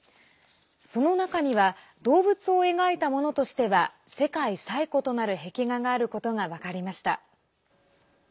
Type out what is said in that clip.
その中には動物を描いたものとしては世界最古となる壁画があることが分かりました。